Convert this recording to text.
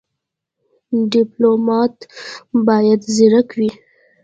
ډيپلومات بايد ځيرک وي.